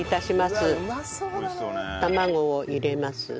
卵を入れます。